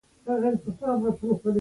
موزیک د غم نه خوښۍ ته سفر کوي.